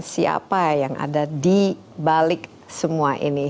siapa yang ada di balik semua ini